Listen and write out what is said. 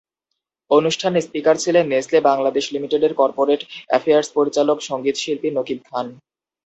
অনুষ্ঠানে স্পিকার ছিলেন নেসলে বাংলাদেশ লিমিটেডের করপোরেট অ্যাফেয়ার্স পরিচালক সংগীতশিল্পী নকিব খান।